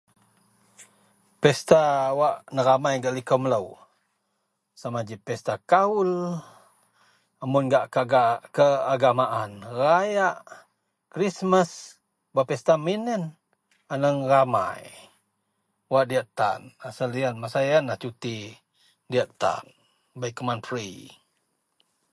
Pesta wak neramai gak liko melo sama ji pesta kawul mun gak ke.. keugamaan rayak krismas wak pesta min iyen aneang ramai wak diyak tan asel iyen masa iyenlah cuti diyak tan bei keman free.